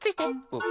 うん。